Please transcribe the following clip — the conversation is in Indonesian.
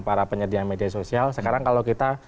para penyedia media sosial sekarang kalau kita